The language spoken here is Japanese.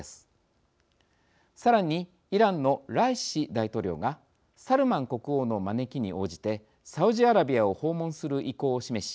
さらにイランのライシ大統領がサルマン国王の招きに応じてサウジアラビアを訪問する意向を示し